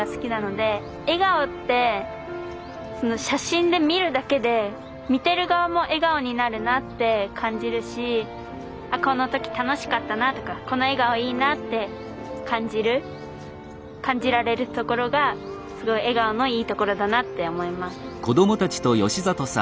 笑顔って写真で見るだけで見てる側も笑顔になるなって感じるしこの時楽しかったなとかこの笑顔いいなって感じられるところがすごい笑顔のいいところだなって思います。